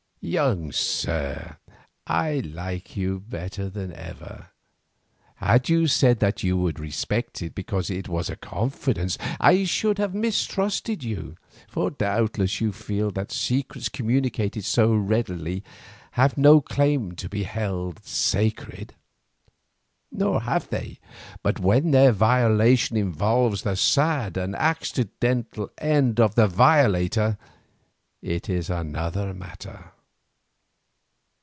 "Young sir, I like you better than ever. Had you said that you would respect it because it was a confidence, I should have mistrusted you, for doubtless you feel that secrets communicated so readily have no claim to be held sacred. Nor have they, but when their violation involves the sad and accidental end of the violator, it is another matter.